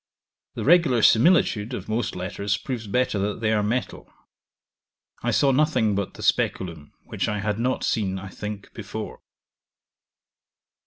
The regular similitude of most letters proves better that they are metal. I saw nothing but the Speculum which I had not seen, I think, before.